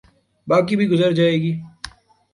باقی بھی گزر جائے گی۔